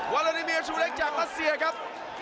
ลาลาดิเมียลชูเล็กจากรัสเซียครับ